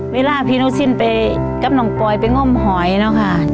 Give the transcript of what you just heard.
เวลาพี่หนูสิ้นไปกับน้องปอยไปงมหอยแล้วค่ะ